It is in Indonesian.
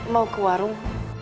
mau ke warung